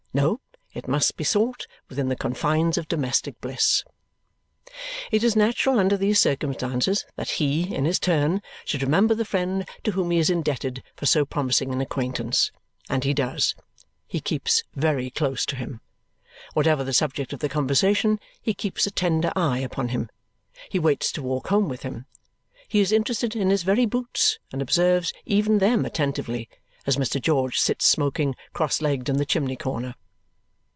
No, it must be sought within the confines of domestic bliss. It is natural, under these circumstances, that he, in his turn, should remember the friend to whom he is indebted for so promising an acquaintance. And he does. He keeps very close to him. Whatever the subject of the conversation, he keeps a tender eye upon him. He waits to walk home with him. He is interested in his very boots and observes even them attentively as Mr. George sits smoking cross legged in the chimney corner.